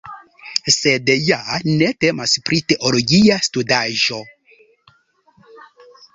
Sed ja ne temas pri teologia studaĵo.